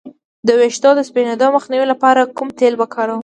د ویښتو د سپینیدو مخنیوي لپاره کوم تېل وکاروم؟